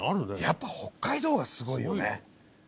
やっぱ北海道はすごいよね。